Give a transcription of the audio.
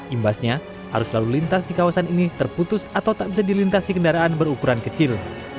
imbasnya arus lalu lintas di kawasan ini terputus atau tak bisa dilintasi kendaraan berukuran kecil